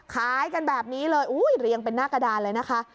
ขายกันแบบนี้เลยเรียงเป็นหน้ากระดานเลยนะคะ